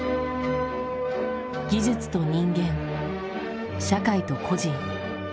技術と人間社会と個人。